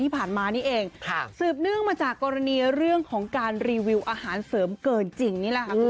ที่ผ่านมานี่เองสืบเนื่องมาจากกรณีเรื่องของการรีวิวอาหารเสริมเกินจริงนี่แหละค่ะ